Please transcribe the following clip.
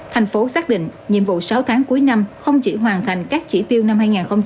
thành phố xác định nhiệm vụ sáu tháng cuối năm không chỉ hoàn thành các chỉ tiêu năm hai nghìn hai mươi